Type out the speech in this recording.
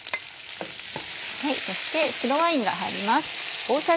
そして白ワインが入ります。